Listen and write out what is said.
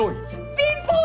ピンポーン！